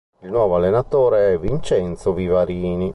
Il nuovo allenatore è Vincenzo Vivarini.